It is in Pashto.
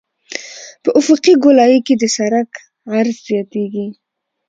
په افقي ګولایي کې د سرک عرض زیاتیږي